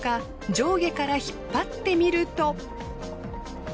上下から引っ張ってみると。